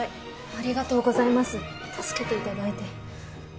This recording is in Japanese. ありがとうございます助けていただいて。